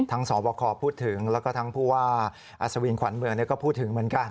สอบคอพูดถึงแล้วก็ทั้งผู้ว่าอัศวินขวัญเมืองก็พูดถึงเหมือนกัน